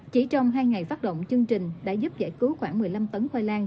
chỉ trong hai ngày phát động chương trình đã giúp giải cứu khoảng một mươi năm tấn khoai lang